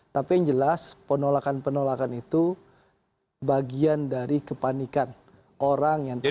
tapi yang jelas penolakan penolakan itu bagian dari kepanikan orang yang terlibat